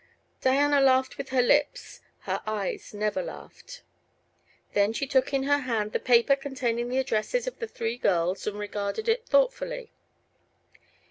Diana laughed with her lips; her eyes never laughed. Then she took in her hand the paper containing the addresses of the three girls and regarded it thoughtfully.